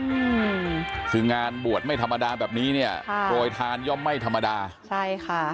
อืมคืองานบวชไม่ธรรมดาแบบนี้เนี้ยค่ะโปรยทานย่อมไม่ธรรมดาใช่ค่ะ